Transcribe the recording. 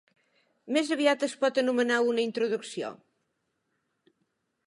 Més aviat es pot anomenar una introducció.